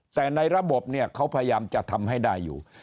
แต่ในระบบเนี่ยเขาพยายามจะทำให้ได้อยู่